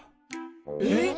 えっ？